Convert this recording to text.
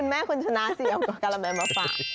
แล้วบอกว่าคุณแม่คุณชนะสิเอาก็การาแมมมาฝาก